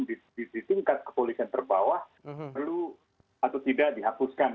di tingkat kepolisian terbawah perlu atau tidak dihapuskan